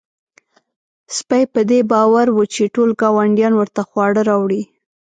سپی په دې باور و چې ټول ګاونډیان ورته خواړه راوړي.